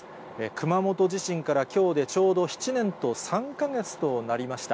熊本地震からきょうでちょうど７年と３か月となりました。